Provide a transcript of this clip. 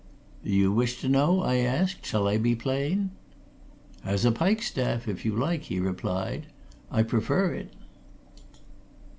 "You wish to know?" I asked. "Shall I be plain?" "As a pike staff, if you like," he replied. "I prefer it."